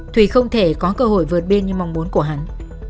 thùy không thể có cơ hội vượt biên như mong muốn của hắn